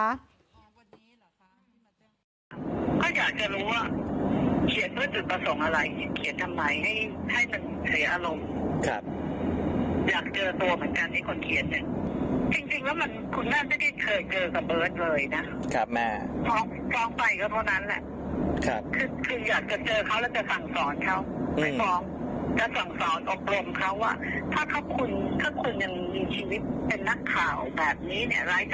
เป็นนักข่าวแบบนี้เนี่ยรายจำยาบันแบบนี้เนี่ยนะ